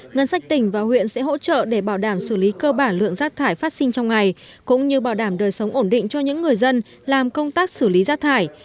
ngân sách tỉnh và huyện sẽ hỗ trợ để bảo đảm xử lý cơ bản lượng rác thải phát sinh trong ngày cũng như bảo đảm đời sống ổn định cho những người dân làm công tác xử lý rác thải